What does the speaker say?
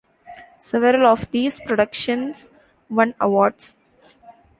Several of these productions won awards.